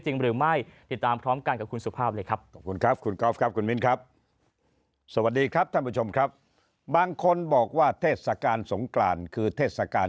สวัสดีทุกคนครับท่านผู้ชมครับบางคนบอกว่าเทศสการสงกรานคือเทศสการ